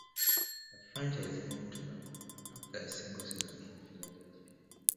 The franchise moved to Vancouver after a single season in Philadelphia.